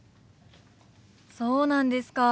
そうなんですか。